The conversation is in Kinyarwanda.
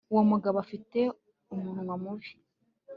uwo mugabo afite umunwa mubi